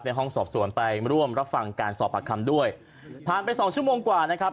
ห้องสอบสวนไปร่วมรับฟังการสอบปากคำด้วยผ่านไปสองชั่วโมงกว่านะครับ